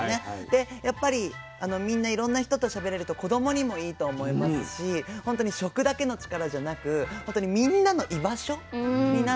でやっぱりみんないろんな人としゃべれると子どもにもいいと思いますし本当に食だけの力じゃなくみんなの居場所になっているっていうのがすばらしいなと思いますね。